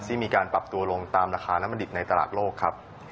ที่มีการปรับตัวลงตามราคาน้ำมันดิบในตลาดโลกครับ